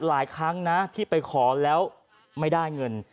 หลายครั้งนะที่ไปขอแล้วไม่ได้เงิน